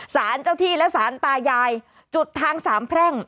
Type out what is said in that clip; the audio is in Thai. สารเจ้าที่และสารตายายจุดทางสามแพร่ง